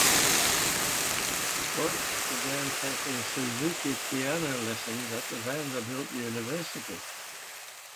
Deutsch began taking Suzuki piano lessons at Vanderbilt University.